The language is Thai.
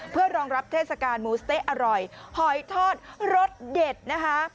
เพื่อรองรับเทศกาลหมูสะเต๊ะอร่อยหอยทอดรสเด็ดนะคะ